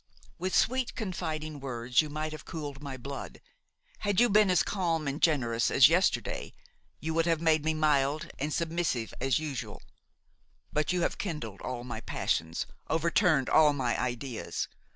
With sweet, confiding words you might have cooled my blood. Had you been as calm and generous as yesterday, you would have made me mild and submissive as usual. But you have kindled all my passions, overturned all my ideas.